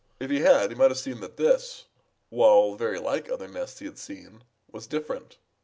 If he had, he might have seen that this, while very like other nests he had seen, was different.